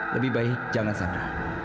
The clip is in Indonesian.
lebih baik jangan sandra